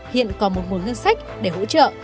hiện còn một nguồn ngân sách để hỗ trợ